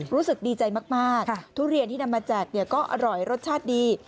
รู้สึกดีใจมากทุเรียนที่นำมาแจกเนี่ยก็อร่อยรสชาติดี